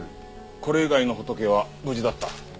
これ以外の仏は無事だった。